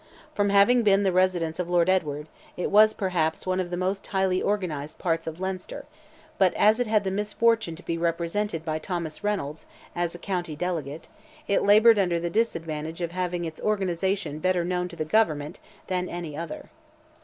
From having been the residence of Lord Edward, it was, perhaps, one of the most highly organized parts of Leinster, but as it had the misfortune to be represented by Thomas Reynolds, as county delegate, it laboured under the disadvantage of having its organization better known to the government than any other.